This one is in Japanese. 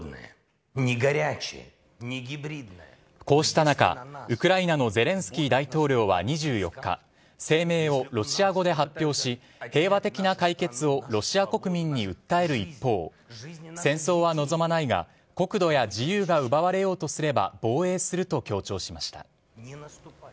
こうした中、ウクライナのゼレンスキー大統領は２４日声明をロシア語で発表し平和的な解決をロシア国民に訴える一方戦争は望まないが国土や自由が奪われようとすれば防衛すると強調しました。